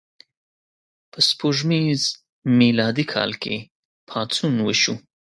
په سپوږمیز میلادي کال کې پاڅون وشو.